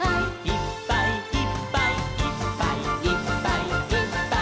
「いっぱいいっぱいいっぱいいっぱい」